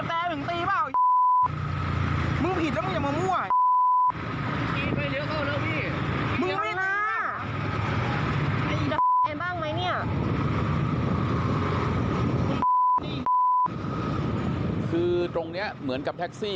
แล้วแค่จอดแช่นั้นนะนะ